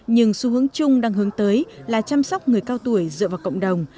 nhưng xu hướng chung đang hướng tới là chăm sóc người cao tuổi dựa vào cộng đồng